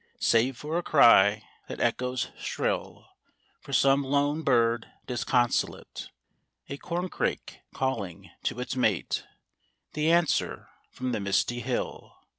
Save for a cry that echoes shrill From some lone bird disconsolate; A corncrake calling to its mate; The answer from the misty hill.